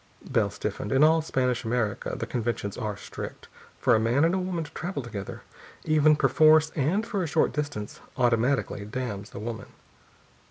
Bell stiffened. In all Spanish America the conventions are strict. For a man and woman to travel together, even perforce and for a short distance, automatically damns the woman.